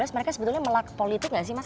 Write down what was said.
mereka sebetulnya melakukan politik nggak sih mas